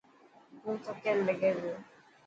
تون ٿڪيل لگي پيو.